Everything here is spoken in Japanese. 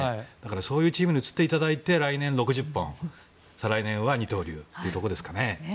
そういうチームに移っていただいて来年６０本再来年は二刀流というところですかね。